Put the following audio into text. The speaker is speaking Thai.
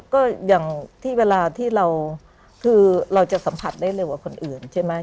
ก็อย่างที่เวลาที่เราคือเราจะสัมผัสได้เร็วกว่าคนอื่นใช่ไหม